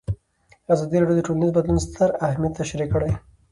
ازادي راډیو د ټولنیز بدلون ستر اهميت تشریح کړی.